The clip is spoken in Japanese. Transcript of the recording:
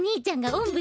おんぶ。